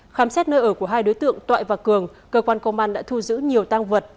khám xét nơi ở của hai đối tượng toại và cường cơ quan công an đã thu giữ nhiều tăng vật